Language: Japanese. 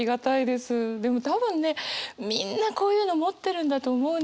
でも多分ねみんなこういうの持ってるんだと思うんですよ。